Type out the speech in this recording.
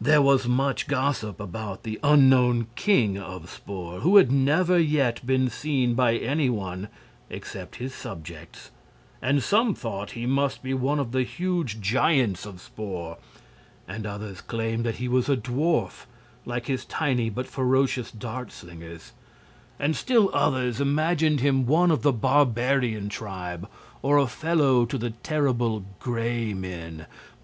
There was much gossip about the unknown king of Spor, who had never yet been seen by any one except his subjects; and some thought he must be one of the huge giants of Spor; and others claimed he was a dwarf, like his tiny but ferocious dart slingers; and still others imagined him one of the barbarian tribe, or a fellow to the terrible Gray Men.